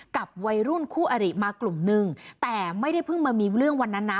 กับวัยรุ่นคู่อริมากลุ่มนึงแต่ไม่ได้เพิ่งมามีเรื่องวันนั้นนะ